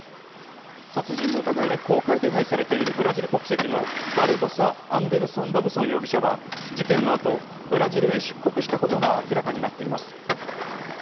殺人の疑いで公開手配されているブラジル国籍のバルボサ・アンデルソン・ロブソン容疑者は事件の後、ブラジルへ出国したことが明らかになっています。